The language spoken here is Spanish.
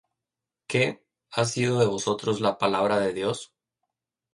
Qué, ¿ha salido de vosotros la palabra de Dios?